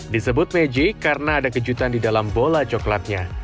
disebut majik karena ada kejutan di dalam bola coklatnya